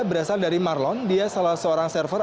berasal dari marlon dia salah seorang server